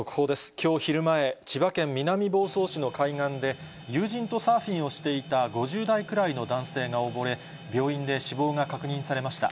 きょう昼前、千葉県南房総市の海岸で、友人とサーフィンをしていた５０代くらいの男性が溺れ、病院で死亡が確認されました。